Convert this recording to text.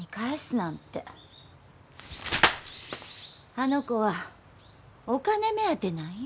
あの子はお金目当てなんよ。